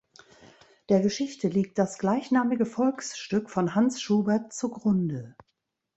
Der Geschichte liegt das gleichnamige Volksstück von Hans Schubert zugrunde.